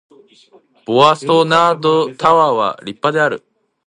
ボワソナードタワーは立派である